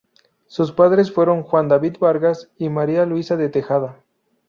Sus padres fueron Juan David Vargas y Maria Luisa de Tejada.